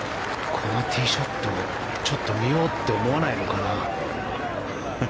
このティーショットちょっと見ようって思わないのかな？